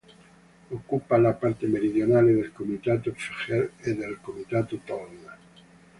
Occupa la parte meridionale del comitato Fejér e del comitato Tolna.